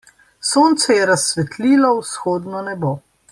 Sonce je razsvetlilo vzhodno nebo.